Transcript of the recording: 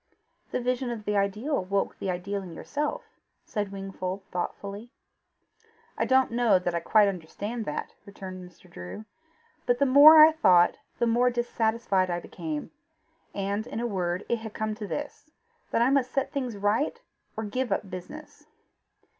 "The vision of the ideal woke the ideal in yourself," said Wingfold thoughtfully. "I don't know that I quite understand that," returned Mr. Drew; "but the more I thought the more dissatisfied I became. And, in a word, it has come to this, that I must set things right, or give up business."